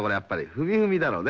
「ふみふみ」だろうね。